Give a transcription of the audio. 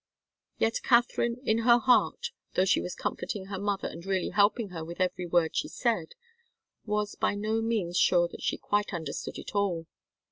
Yet Katharine in her heart, though she was comforting her mother and really helping her with every word she said, was by no means sure that she quite understood it all.